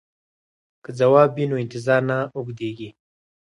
که ځواب وي نو انتظار نه اوږدیږي.